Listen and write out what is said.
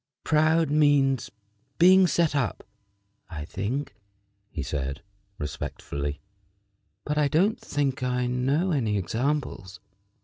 "Proud means being set up, I think," he said, respectfully; "but I don't think I know any examples."